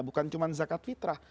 bukan cuma zakat fitrah